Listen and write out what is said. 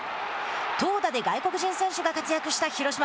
投打で外国人選手が活躍した広島。